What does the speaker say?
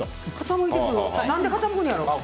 何で傾くんやろ？